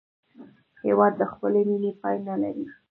هېواد د خپلې مینې پای نه لري.